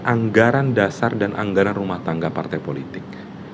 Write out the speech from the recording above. anggaran dasar dan anggaran rumah tangga partai politik